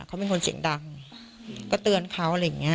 เขาเป็นคนเสียงดังก็เตือนเขาอะไรอย่างเงี้